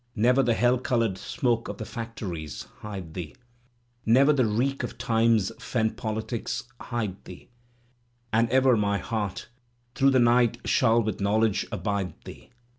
Never the hell coloured smoke of the factories Hide thee. Never the reek of time's fen politics Hide thee. And ever my heart through the night shall with knowledge abide thee.